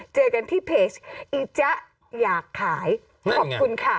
เจอกันที่เพจอีจ๊ะอยากขายขอบคุณค่ะ